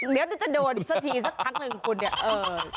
เดี๋ยวจะโดนสักทีสักพักหนึ่งคุณเนี่ยเออ